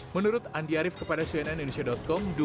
menurut andi arief kepada cnn indonesia com